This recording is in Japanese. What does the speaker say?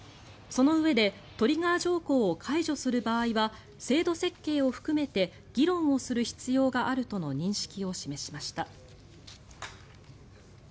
そのうえでトリガー条項を解除する場合は制度設計を含めて議論をする必要があるとの認識を示しました。